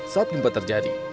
saat gempa terjadi